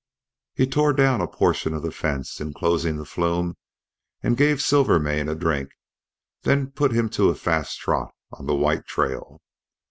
He tore down a portion of the fence enclosing the flume, and gave Silvermane a drink, then put him to a fast trot on the white trail.